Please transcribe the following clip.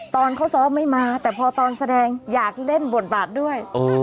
ตอนเขาซ้อมไม่มาแต่พอตอนแสดงอยากเล่นบทบาทด้วย